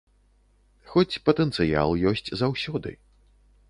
Хоць патэнцыял ёсць заўсёды.